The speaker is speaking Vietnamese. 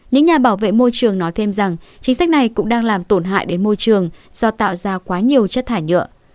những nhà bảo vệ môi trường nói thêm rằng chính sách này cũng đang làm tổn hại đến môi trường do tạo ra quá nhiều chất thải nhựa